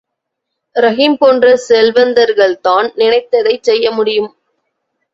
ரஹீம் போன்ற செல்வந்தர்கள் தான் நினைத்ததைச் செய்யமுடியும்.